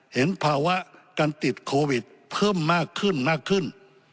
เห็นภาวะการติดโควิดเพิ่มมากขึ้นมากขึ้น